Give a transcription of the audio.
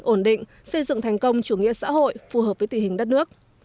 ổn định xây dựng thành công chủ nghĩa xã hội phù hợp với tỷ hình đất nước